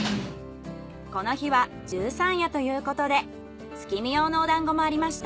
この日は十三夜ということで月見用のお団子もありました。